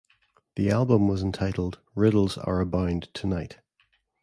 The album was entitled "Riddles Are Abound Tonight".